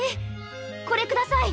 これください。